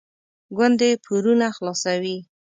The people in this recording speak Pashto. ګوندې پورونه خلاصوي.